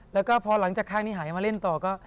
แล้วก็พอหลังจากข้างนี้หายมาเล่นต่อก็